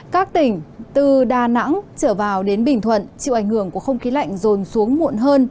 các tỉnh từ đà nẵng trở vào đến bình thuận chịu ảnh hưởng của không khí lạnh rồn xuống muộn hơn